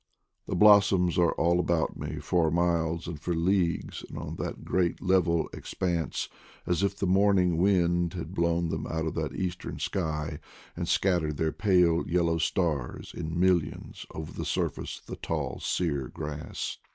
The blossoms are all about me, for miles and for leagues on that great level expanse, as if the morning wind had blown them out of that eastern 234 IDLE DAYS IN PATAGONIA sky and scattered their pale yellow stars in mil lions over the surface of the tall sere grass.